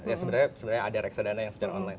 ya sebenarnya ada reksadana yang secara online